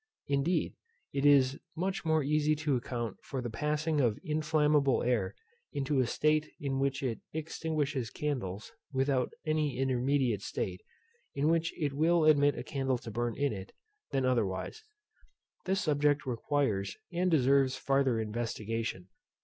Indeed, it is much more easy to account for the passing of inflammable air into a state in which it extinguishes candles, without any intermediate state, in which it will admit a candle to burn in it, than otherwise. This subject requires and deserves farther investigation.